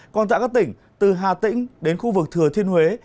còn tại các tỉnh từ hà tĩnh đến khu vực thừa thiên huế